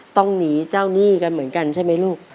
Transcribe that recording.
ต้องหนีเจ้าหนี้กันเหมือนกันใช่ไหมลูก